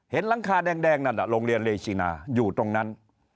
เห็นหลังคาแดงนั่นลงเรียนเรชินาอยู่ตรงนั้น